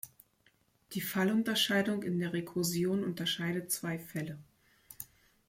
Die Fallunterscheidung in der Rekursion unterscheidet zwei Fälle.